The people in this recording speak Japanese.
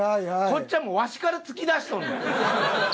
こっちはもうわしから突き出しとんねん。